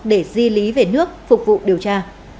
để di lý về nước phục vụ điều tra